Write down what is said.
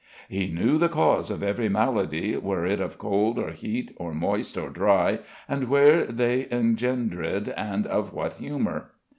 "He knew the cause of every maladye Were it of cold or hete or moyst or drye, And where thei engendrid, and of what humour."